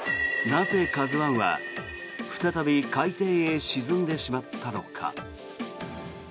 なぜ、「ＫＡＺＵ１」は再び海底へ沈んでしまったのか。